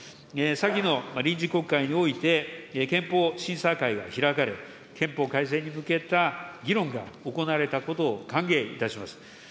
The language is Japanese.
先の臨時国会において、憲法審査会が開かれ、憲法改正に向けた議論が行われたことを歓迎いたします。